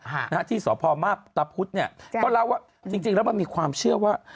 ฮะนะฮะที่สพมาพตะพุทธเนี่ยก็เล่าว่าจริงจริงแล้วมันมีความเชื่อว่า